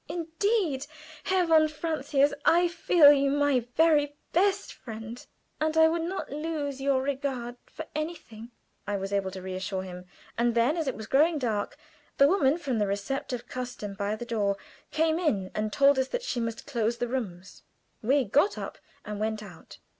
"Indeed, Herr von Francius, I feel you my very best friend, and I would not lose your regard for anything," I was able to assure him. And then, as it was growing dark, the woman from the receipt of custom by the door came in and told us that she must close the rooms. We got up and went out.